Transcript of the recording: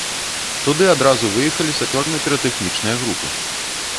Туды адразу выехалі сапёрна-піратэхнічныя групы.